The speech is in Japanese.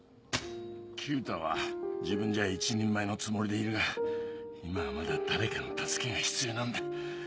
九太は自分じゃ一人前のつもりでいるが今はまだ誰かの助けが必要なんだ。